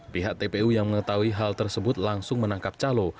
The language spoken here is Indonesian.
pihak tpu yang mengetahui hal tersebut langsung menangkap calo